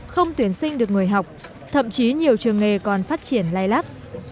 không thuyền sinh được người học thậm chí nhiều trường nghề còn phát triển lai lát